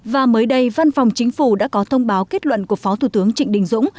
và mới đây văn phòng chính phủ đã có thông báo kết luận của phó thủ tướng trịnh đình dũng